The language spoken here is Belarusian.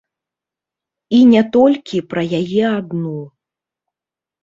І не толькі пра яе адну.